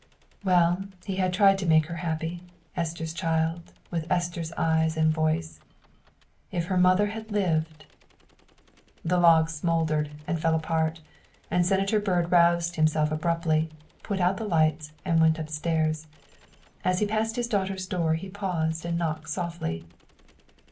Well, he had tried to make her happy Esther 's child, with Esther's eyes and voice. " If her mother had lived The log smouldered and fell apart, and Senator Byrd roused himself abruptly, put out the lights, and went upstairs. As he passed his daughter's door he paused and knocked softly.